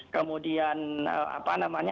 kemudian apa namanya